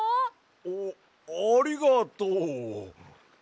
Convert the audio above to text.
あっありがとう。